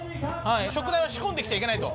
食材は仕込んできちゃいけない。